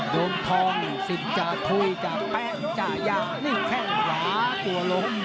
โดนทองสิทธิ์จะพุยจะแป้งจะยานี่แค่หรากลัวลง